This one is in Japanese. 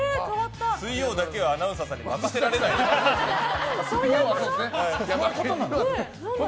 水曜だけはアナウンサーさんにそういうことなの？